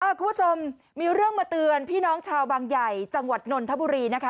คุณผู้ชมมีเรื่องมาเตือนพี่น้องชาวบางใหญ่จังหวัดนนทบุรีนะคะ